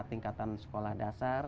tingkatan sekolah dasar